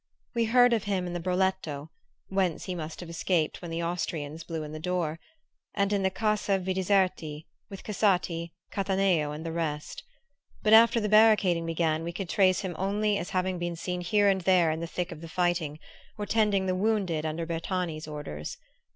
We heard of him in the Broletto (whence he must have escaped when the Austrians blew in the door) and in the Casa Vidiserti, with Casati, Cattaneo and the rest; but after the barricading began we could trace him only as having been seen here and there in the thick of the fighting, or tending the wounded under Bertani's orders.